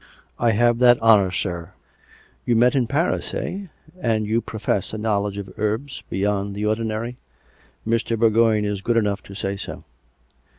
" I have that honour, sir." " You met in Paris, eh .''... And you profess a knowl edge of herbs beyond the ordinary."* "" Mr. Bourgoign is good enough to say so."